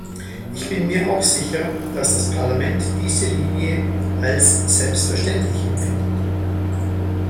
Ich bin mir auch sicher, dass das Parlament diese Linie als selbstverständlich empfindet.